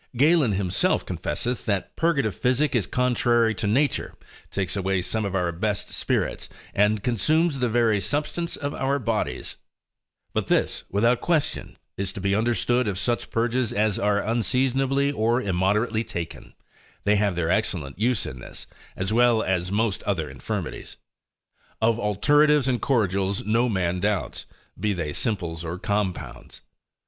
Galen himself confesseth, that purgative physic is contrary to nature, takes away some of our best spirits, and consumes the very substance of our bodies: But this, without question, is to be understood of such purges as are unseasonably or immoderately taken: they have their excellent use in this, as well as most other infirmities. Of alteratives and cordials no man doubts, be they simples or compounds.